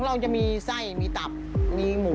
เราจะมีไส้มีตับมีหมู